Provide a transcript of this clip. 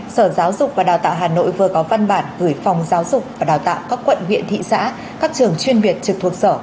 sở giáo dục và đào tạo hà nội vừa có văn bản gửi phòng giáo dục và đào tạo các quận huyện thị xã các trường chuyên biệt trực thuộc sở